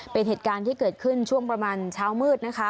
เป็นเหตุการณ์ที่เกิดขึ้นช่วงประมาณเช้ามืดนะคะ